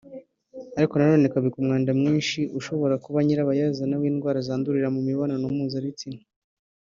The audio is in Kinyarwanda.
ariko nanone kabika umwanda mwinshi ushobora kuba nyirabayazana w’indwara zitandukanye zandurira mu mibonano mpuzabitsina